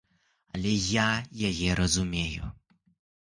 Але я яе разумею.